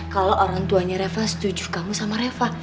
kalau orang tuanya reva setuju kamu sama reva